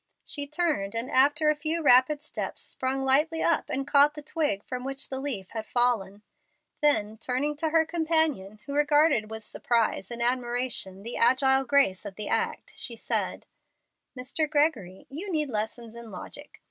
She turned, and after a few rapid steps sprung lightly up and caught the twig from which the leaf had fallen. Then turning to her companion, who regarded with surprise and admiration the agile grace of the act, she said, "Mr. Gregory, you need lessons in logic.